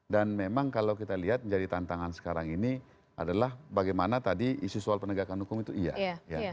dan memang kalau kita lihat menjadi tantangan sekarang ini adalah bagaimana tadi isu soal penegakan hukum itu iya